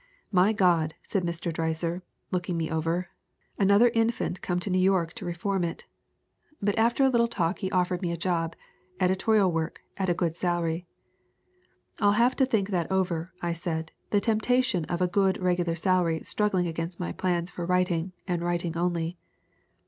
" 'My God !' said Mr. Dreiser, looking me over. 'Another infant come to New York to reform it/ But after a little talk he offered me a job, editorial work at a good salary. " 'I'll have to think that over/ I said, the tempta tion of a good regular salary struggling against my plans for writing, and writing only.